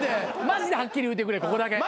マジではっきり言うてくれここだけ。